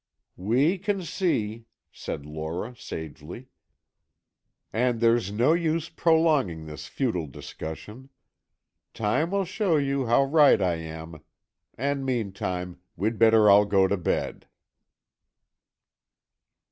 "We can see," said Lora, sagely. "And there's no use prolonging this futile discussion. Time will show you how right I am, and meantime, we'd better all go to bed."